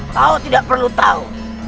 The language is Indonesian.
kau tidak perlu tahu